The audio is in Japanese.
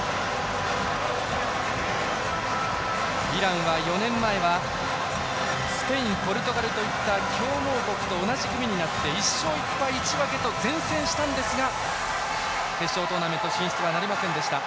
イランは４年前はスペインポルトガルといった強豪国と同じ組になって１勝１敗１分けと善戦したんですが決勝トーナメント進出はなりませんでした。